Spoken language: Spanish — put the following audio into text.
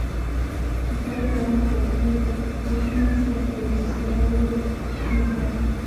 Está ubicada en el partido de Tornquist, dentro del sistema de Ventania.